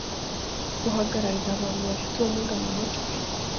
uhagararira abantu bafite ubumuga mu Mutwe